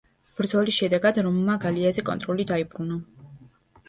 ბრძოლის შედეგად რომმა გალიაზე კონტროლი დაიბრუნა.